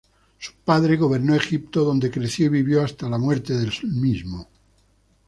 Su padre gobernó Egipto donde creció y vivió hasta la muerte de su padre.